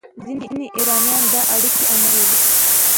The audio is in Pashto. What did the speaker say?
ځینې ایرانیان دا اړیکه عملي بولي.